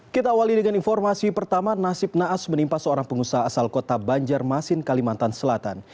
kita awali dengan informasi pertama nasib naas menimpa seorang pengusaha asal kota banjarmasin kalimantan selatan